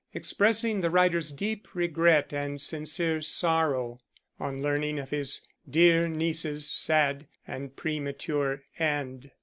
expressing the writer's "deep regret and sincere sorrow" on learning of his "dear niece's sad and premature end."